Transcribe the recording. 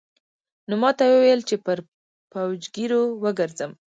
نو ماته يې وويل چې پر پوجيگرو وگرځم.